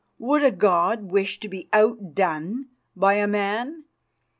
Would a god wish to be outdone by a man?